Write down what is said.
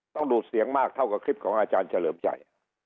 ดูดเสียงมากเท่ากับคลิปของอาจารย์เฉลิมชัย